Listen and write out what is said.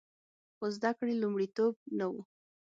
خو زده کړې لومړیتوب نه و